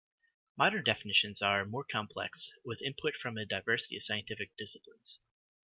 Modern definitions are more complex, with input from a diversity of scientific disciplines.